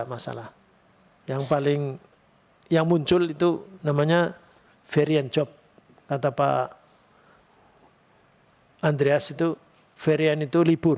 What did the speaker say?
masalah yang paling yang muncul itu namanya varian job kata pak andreas itu varian itu libur